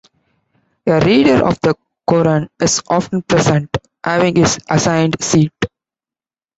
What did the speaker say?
A reader of the Koran is often present, having his assigned seat.